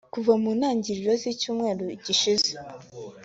Kuva mu ntangiriro z’icyumweru gishize